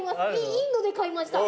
インドで買いました。